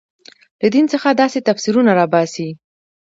له دین څخه داسې تفسیرونه راباسي.